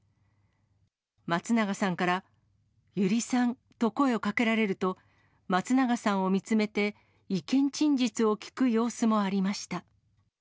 松永さんから、油利さんと声をかけられると、松永さんを見つめて、意見陳述を聞く様子もありました。